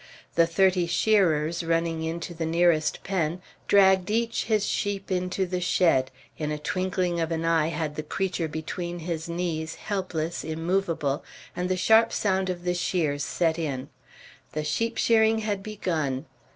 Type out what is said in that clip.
The thirty shearers, running into the nearest pen, dragged each his sheep into the shed, in a twinkling of an eye had the creature between his knees, helpless, immovable, and the sharp sound of the shears set in. The sheep shearing had begun.